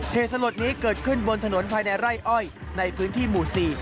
เหตุสลดนี้เกิดขึ้นบนถนนภายในไร่อ้อยในพื้นที่หมู่๔